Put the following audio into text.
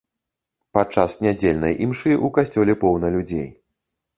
Падчас нядзельнай імшы ў касцёле поўна людзей.